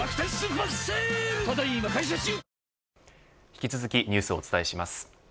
引き続きニュースをお伝えします。